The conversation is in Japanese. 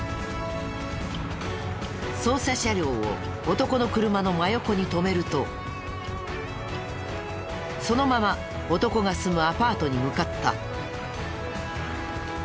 捜査車両を男の車の真横に止めるとそのまま男が住むアパートに向かった。